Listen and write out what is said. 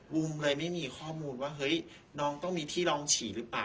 วุมเลยไม่มีข้อมูลว่าเฮ้ยน้องต้องมีที่ลองฉี่หรือเปล่า